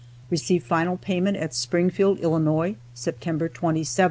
RECEIVE FINAL PAYMENT AT SPRINGFIELD, ILLINOIS, SEPTEMBER 27, 1865.